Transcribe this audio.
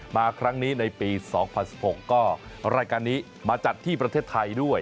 มาครั้งนี้ในปี๒๐๑๖ก็รายการนี้มาจัดที่ประเทศไทยด้วย